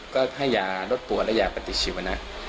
ก็ให้ยาลดตัวและยาปฏิชีวนะ